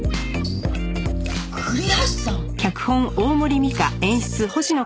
栗橋さん？